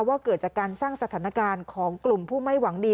ว่าเกิดจากการสร้างสถานการณ์ของกลุ่มผู้ไม่หวังดี